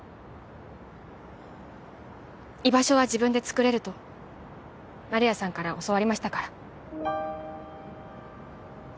居場所は自分で作れると丸谷さんから教わりましたから。